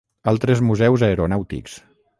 Altres museus aeronàutics.